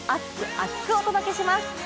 厚く！お届け！します。